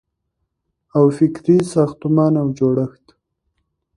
او فکري ساختمان او جوړښت